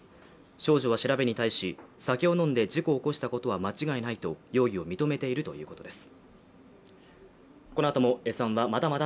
少女は調べに対し、酒を飲んで事故を起こしたことは間違いないと容疑を認めているということです。